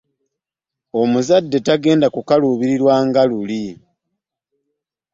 Omuzadde tagenda kukaluubirizibwa nga luli.